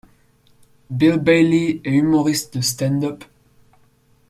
Bill Bailey est humoriste de stand-up.